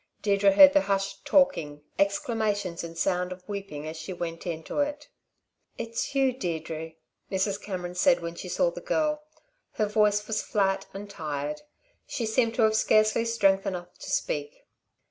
Deirdre heard the hushed talking, exclamations and sound of weeping as she went into it. "It's you, Deirdre!" Mrs. Cameron said when she saw the girl. Her voice was flat and tired; she seemed to have scarcely strength enough to speak.